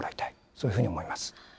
そういうふうに思います。